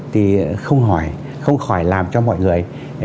thì không khỏi làm cho mọi người